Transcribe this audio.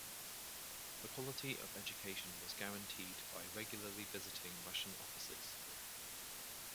The quality of education was guaranteed by regularly visiting Russian officers.